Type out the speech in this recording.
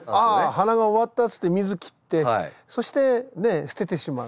「花が終わった」つって水切ってそして捨ててしまう。